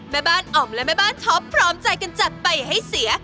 แม่บ้านอ๋อมและแม่บ้านท็อปพร้อมใจกันจัดไปให้เสีย